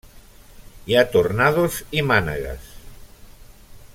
Hi ha tornados i mànegues.